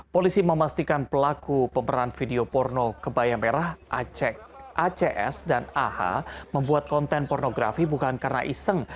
polisi memastikan pelaku pemeran video porno kebaya merah acs dan aha membuat konten pornografi bukan karena iseng